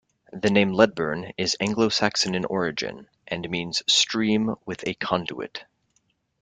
The name Ledburn is Anglo Saxon in origin, and means "stream with a conduit".